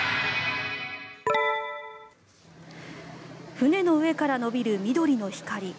船の上から延びる緑の光。